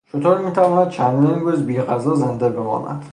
شتر میتواند چندین روز بیغذا بماند.